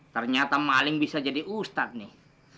ternyata maling bisa jadi ustadz nih